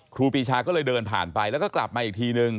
ครูปีชาก็เลยเดินผ่านไปแล้วก็กลับมาอีกทีนึง